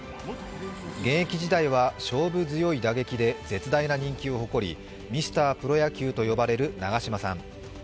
現役時代は勝負強い打撃で絶大な人気を誇りミスタープロ野球と呼ばれる長嶋さん。